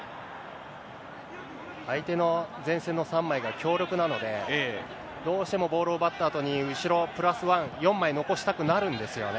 相手の前線の３枚が強力なので、どうしてもボールを奪ったあとに、後ろプラスワン、４枚残したくなるんですよね。